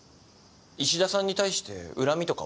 衣氏田さんに対して恨みとかは？